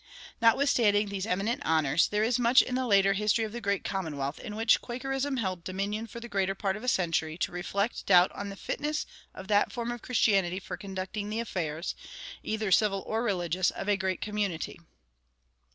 Notwithstanding these eminent honors, there is much in the later history of the great commonwealth in which Quakerism held dominion for the greater part of a century to reflect doubt on the fitness of that form of Christianity for conducting the affairs, either civil or religious, of a great community.